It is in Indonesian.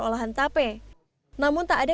olahan tape namun tak ada